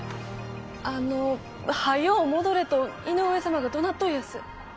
あのう「早う戻れ」と井上様がどなっといやす。